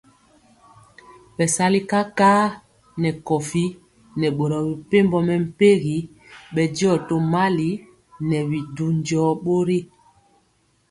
Bɛsali kakar nɛ kowi nɛ boro mepempɔ mɛmpegi bɛndiɔ tomali nɛ bi du jɔɔ bori.